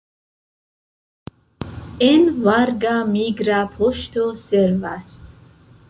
En Varga migra poŝto servas.